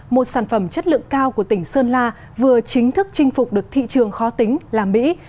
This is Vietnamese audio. một sản phẩm chất lượng cao của tỉnh sơn la vừa chính thức chinh phục được thị trường khó tính là mỹ